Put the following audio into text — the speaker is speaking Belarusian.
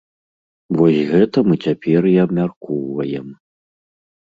Вось гэта мы цяпер і абмяркоўваем.